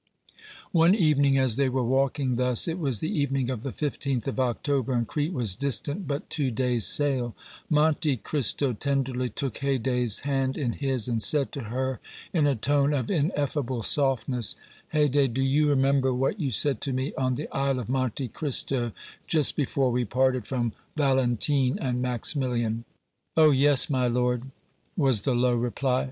One evening as they were walking thus it was the evening of the fifteenth of October, and Crete was distant but two days' sail Monte Cristo tenderly took Haydée's hand in his and said to her in a tone of ineffable softness: "Haydée, do you remember what you said to me on the Isle of Monte Cristo just before we parted from Valentine and Maximilian?" "Oh! yes, my lord," was the low reply.